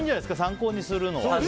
参考にするのは。